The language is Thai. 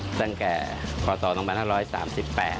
ก็เลยเอามาเปิดเป็นร้านนี่แหละ